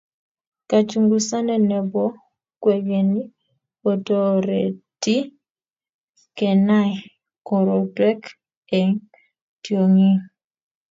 Kachungusane ne bo kwekeny kotoreti kenai korotwek eng tionging